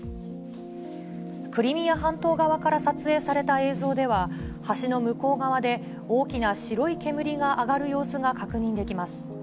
クリミア半島側から撮影された映像では、橋の向こう側で大きな白い煙が上がる様子が確認できます。